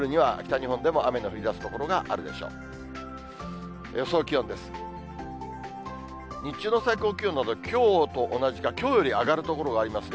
日中の最高気温など、きょうと同じか、きょうより上がる所がありますね。